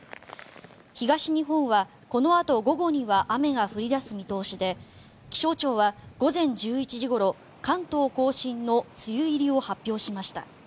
東日本はこのあと午後には雨が降り出す見通しで気象庁は午前１１時ごろ関東・甲信の梅雨入りを発表しました。